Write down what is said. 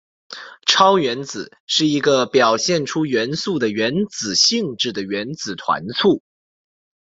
超原子是一个表现出元素的原子性质的原子团簇。